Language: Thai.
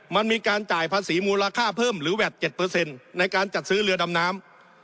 มันมีการจ่ายภาษีมูลค่าเพิ่มหรือแวด๗ในการจัดซื้อเรือดำน้ำ